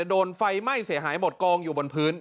โดนไฟไหม้เสียหายหมดกองอยู่บนพื้น